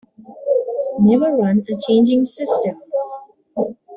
Never run a changing system.